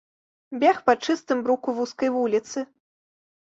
Бег па чыстым бруку вузкай вуліцы.